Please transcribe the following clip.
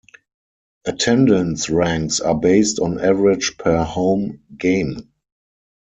Attendance ranks are based on average per home game.